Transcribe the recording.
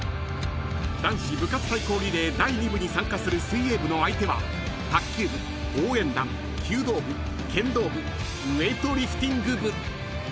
［男子部活対抗リレー第２部に参加する水泳部の相手は卓球部応援団弓道部剣道部ウェイトリフティング部］